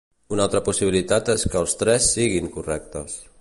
Una altra possibilitat és que els tres siguin correctes.